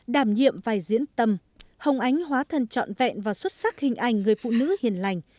đảm nhiệm vai diễn tâm hồng ánh hóa thân trọn vẹn và xuất sắc hình ảnh người phụ nữ hiền lành